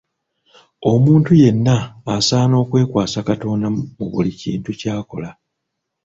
Omuntu yenna asaana okwekwasa Katonda mu buli kintu ky'akola.